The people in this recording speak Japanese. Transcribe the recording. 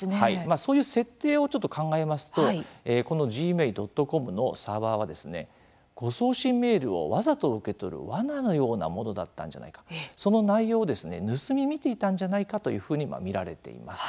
そういう設定をちょっと考えますと、このｇｍａｉ．ｃｏｍのサーバーは誤送信メールをわざと受け取るわなのようなものだったんじゃないか、その内容を盗み見ていたんじゃないかというふうに見られています。